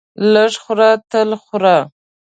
لږ خوره تل خوره.